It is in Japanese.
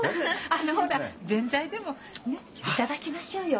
あのほらぜんざいでもねっ頂きましょうよ。